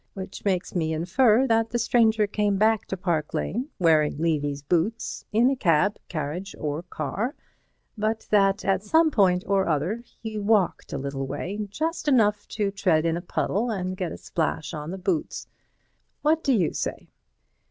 Which makes me infer that the stranger came back to Park Lane, wearing Levy's boots, in a cab, carriage or car, but that at some point or other he walked a little way—just enough to tread in a puddle and get a splash on the boots. What do you say?"